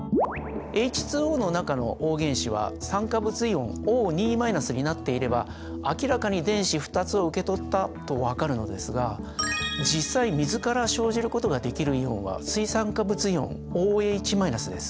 ＨＯの中のＯ原子は酸化物イオンＯになっていれば明らかに電子２つを受け取ったと分かるのですが実際水から生じることができるイオンは水酸化物イオンＯＨです。